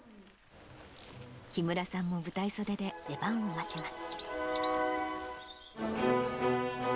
木村さんも舞台袖で出番を待ちます。